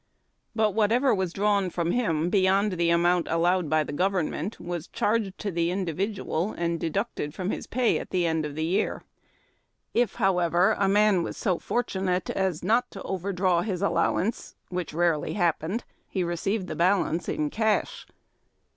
But whatever was drawn from him beyond the amount allowed by the govern ment was charged to the individual, and deducted from his 316 SCATTERING SHOTS. 317 pay at the end of the year. If, however, a man was so fortunate as not to overdraw his allowance, which rarely happened, he received the balance in cash.